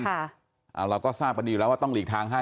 เราก็ทราบกันดีอยู่แล้วว่าต้องหลีกทางให้